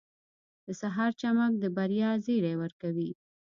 • د سهار چمک د بریا زیری ورکوي.